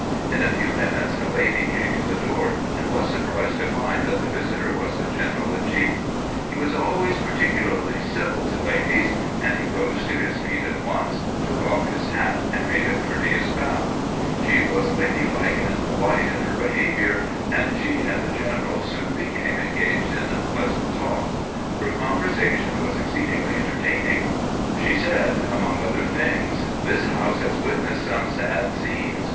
In a few minutes a lady came to the door, and was surprised to find that the visitor was the gen eral in chief . He was always particularly civil to ladies, and he rose to his feet at once, took off his hat, and made a courteous bow. She was ladylike and polite in her behavior, and she and the general soon became en gaged in a pleasant talk. Her conversation was exceed ingly entertaining. She said, among other things: " This house has witnessed some sad scenes.